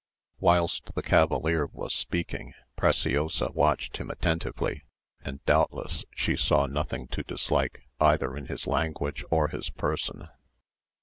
Whilst the cavalier was speaking, Preciosa watched him attentively, and doubtless she saw nothing to dislike either in his language or his person.